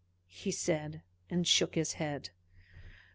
"P!" said he, and shook his head.